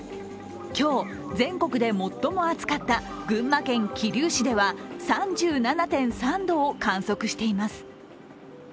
今日、全国でも最も暑かった群馬県桐生市では３７．３度を観測しています。